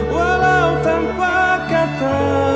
walau tanpa kata